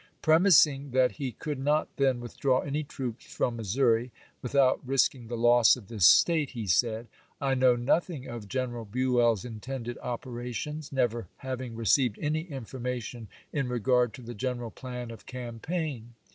Premising that he could not then withdraw any troops from Mis souri, " without risking the loss of this State," he said, " I know nothing of General Buell's intended operations, never having received any information in regard to the general plan of campaign.